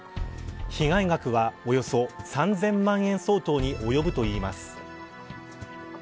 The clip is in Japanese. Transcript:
被害額はおよそ３０００万円相当に及ぶといいます。